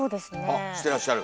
あっしてらっしゃる？